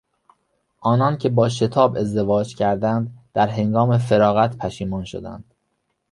آنان که با شتاب ازدواج کردند در هنگام فراغت پشیمان شدند.